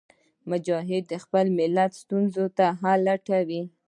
مجاهد د خپل ملت ستونزو ته حل لټوي.